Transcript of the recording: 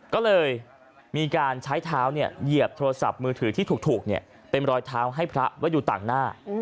ก็เลยมีการใช้เท้าเหยียบโทรศัพท์มือถือที่ถูกเป็นรอยเท้าให้พระไว้อยู่ต่างหน้า